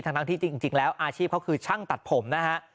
ทั้งที่จริงแล้วอาชีพเขาคือช่างตัดผมนะฮะ